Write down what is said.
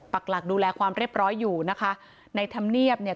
หลักดูแลความเรียบร้อยอยู่นะคะในธรรมเนียบเนี่ย